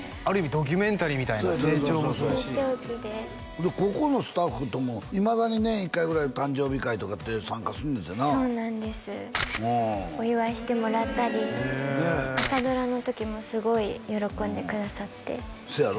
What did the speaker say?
ドキュメンタリーみたいな成長もするし成長期でここのスタッフともいまだに年１回ぐらい誕生日会とかって参加すんねんてなそうなんですお祝いしてもらったり朝ドラの時もすごい喜んでくださってせやろ？